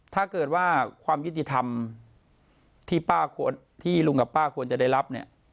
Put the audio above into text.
ถ้าเกิดว่าความยุติธรรมที่ลุงกับป้าควรจะได้รับเนี่ย